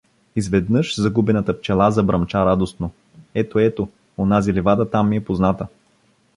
Изведнъж загубената пчела забръмча радостно: — Ето, ето, онази ливада там ми е позната.